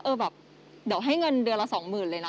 แบบเดี๋ยวให้เงินเดือนละสองหมื่นเลยนะ